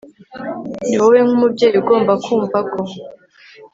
ni wowe nk'umubyeyi ugomba kumva ko